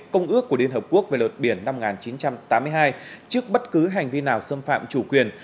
công ước của liên hợp quốc về luật biển năm một nghìn chín trăm tám mươi hai trước bất cứ hành vi nào xâm phạm chủ quyền